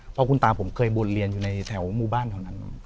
เพราะคุณตาผมเคยวนเรียนอยู่ในแถวหมู่บ้านเท่านั้น